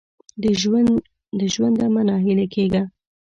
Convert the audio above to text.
د ژونده مه نا هیله کېږه !